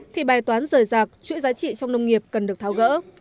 thì bài toán rời rạc chuỗi giá trị trong nông nghiệp cần được tháo gỡ